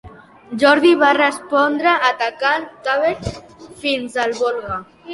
Jordi va respondre atacant Tver fins al Volga.